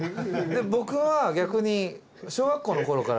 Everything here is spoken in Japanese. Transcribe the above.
僕は逆に。